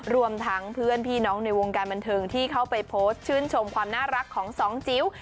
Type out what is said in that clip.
รวมทั้งเพื่อนพี่น้องในวงการบันเทิงที่เข้าไปโพสต์ชื่นชมความน่ารักของสองจิ๋ว